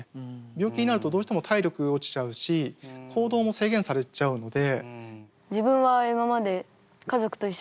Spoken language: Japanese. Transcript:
病気になるとどうしても体力落ちちゃうし行動も制限されちゃうので。